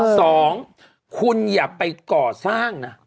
สองคุณอย่าไปก่อสร้างนะ